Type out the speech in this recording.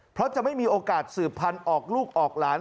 เพราะจะไม่มีโอกาสสืบพันธุ์ออกลูกออกหลาน